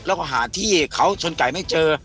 แล้วก็หาที่เขาชนไก่ไม่เจอ